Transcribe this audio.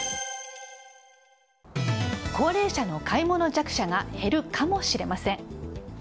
高齢者の買い物弱者が減るかもしれません。